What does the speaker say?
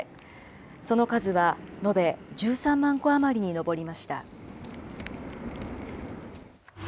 その数は延べ１３万戸余りに上りました。